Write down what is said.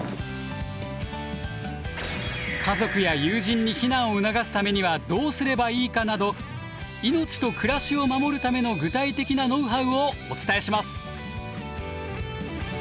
家族や友人に避難を促すためにはどうすればいいかなど命と暮らしを守るための具体的なノウハウをお伝えします。